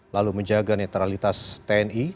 lalu menjaga netralitas tni